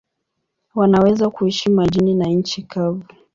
Wanaweza kuishi majini na nchi kavu.